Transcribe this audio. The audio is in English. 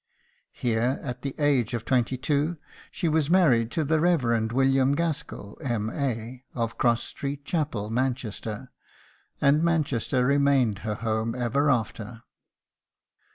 Here, at the age of twenty two, she was married to the Rev. William Gaskell, M.A., of Cross Street Chapel, Manchester; and Manchester remained her home ever after.